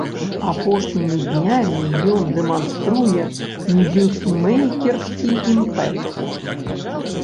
Апошнімі днямі ён дэманструе ньюсмэйкерскі імпэт.